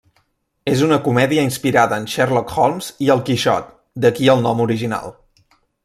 És una comèdia inspirada en Sherlock Holmes i el Quixot, d'aquí el nom original.